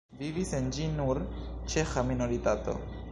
Vivis en ĝi nur ĉeĥa minoritato.